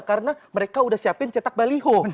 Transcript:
karena mereka udah siapin cetak baliho